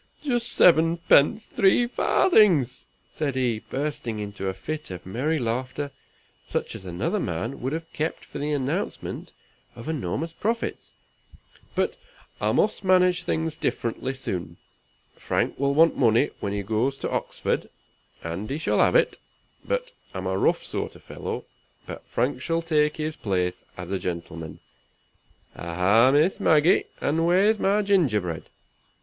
"Just seven pence three farthings," said he, bursting into a fit of merry laughter, such as another man would have kept for the announcement of enormous profits. "But I must manage things differently soon. Frank will want money when he goes to Oxford, and he shall have it. I'm but a rough sort of fellow, but Frank shall take his place as a gentleman. Aha, Miss Maggie! and where's my gingerbread?